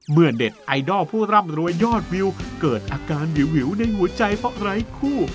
เด็ดไอดอลผู้ร่ำรวยยอดวิวเกิดอาการวิวในหัวใจเพราะไร้คู่